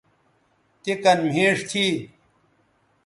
تے کن مھیݜ تھی